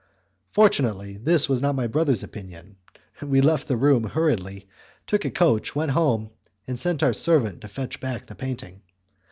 Fortunately, this was not my brother's opinion; we left the room hurriedly, took a coach, went home, and sent our servant to fetch back the painting.